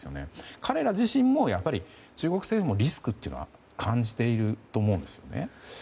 彼ら自身も、中国政府もリスクというのは感じていると思うんですよね。